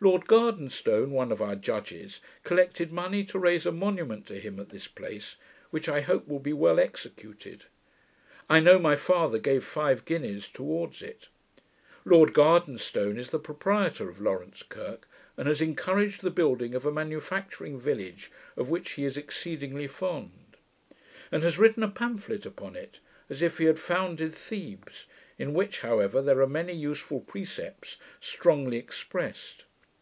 Lord Gardenston, one of our judges, collected money to raise a monument to him at this place, which I hope will be well executed. I know my father gave five guineas towards it. Lord Gardenston is the proprietor of Lawrence Kirk, and has encouraged the building of a manufacturing village, of which he is exceedingly fond, and has written a pamphlet upon it, as if he had founded Thebes, in which, however there are many useful precepts strongly expressed.